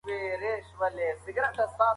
آیا په دې سیمه کې د اوبو لګولو نوی سیستم فعال دی؟